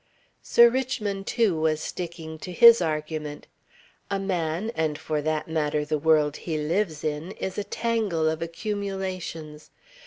Sir Richmond, too, was sticking to his argument. "A man, and for that matter the world he lives in, is a tangle of accumulations.